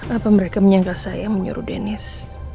apa mereka menyangka saya menyuruh deniz